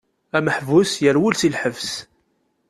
Ameḥbus yerwel si lḥebs.